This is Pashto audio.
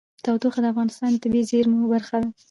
تودوخه د افغانستان د طبیعي زیرمو برخه ده.